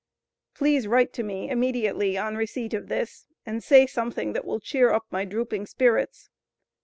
Please write to me immediately on receipt of this, and say something that will cheer up my drooping spirits.